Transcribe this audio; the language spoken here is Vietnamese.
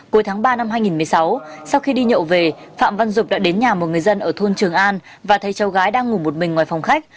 cuối tháng ba năm hai nghìn một mươi sáu sau khi đi nhậu về phạm văn dục đã đến nhà một người dân ở thôn trường an và thấy cháu gái đang ngủ một mình ngoài phòng khách